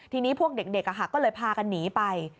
ทีนี้พวกเด็กก็เลยพากันหนีไป